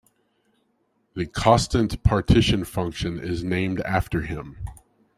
The Kostant partition function is named after him.